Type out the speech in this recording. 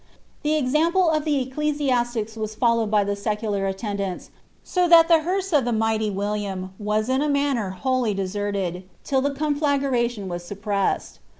The example of the ecclesiastics was followed by the secular attendants, so that the hearse of the mighty Wil liam was in a manner wholly deserted, till the conflagration was sup pressed.'